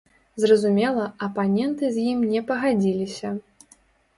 Зразумела, апаненты з ім не пагадзіліся.